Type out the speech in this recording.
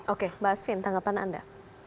oke mbak asvin tanggapan anda